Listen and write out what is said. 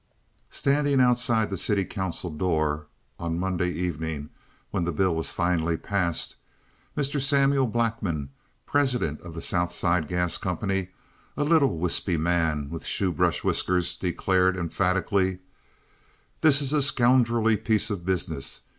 Standing outside the city council door, on the Monday evening when the bill was finally passed, Mr. Samuel Blackman, president of the South Side Gas Company, a little, wispy man with shoe brush whiskers, declared emphatically: "This is a scoundrelly piece of business.